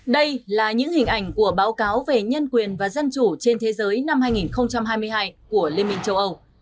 đây là những hình ảnh của báo cáo về nhân quyền và dân chủ trên thế giới năm hai nghìn hai mươi hai của liên minh châu âu